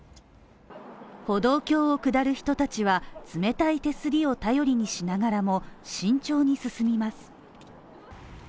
歩道橋を下る人たちは冷たい手すりを頼りにしながらも、慎重に進みます。